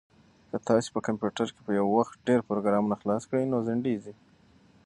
که تاسي په کمپیوټر کې په یو وخت ډېر پروګرامونه خلاص کړئ نو ځنډیږي.